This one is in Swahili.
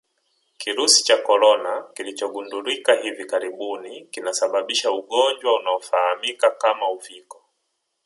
Kirusi cha Corona kilichogundulika hivi karibuni kinasababisha ugonjwa unaofahamika kama Uviko